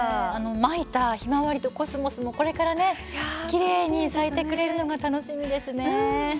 まいたひまわりとコスモスもこれからきれいに咲いてくれるのが楽しみですね。